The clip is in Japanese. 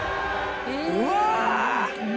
うわ！